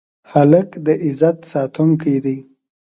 هلک د عزت ساتونکی دی.